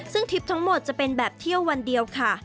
ซึ่งทริปทั้งหมดจะเป็นแบบเที่ยววันเดียวค่ะ